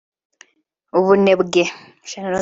ubunebwe